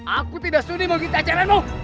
aku tidak suni mengikuti ajaranmu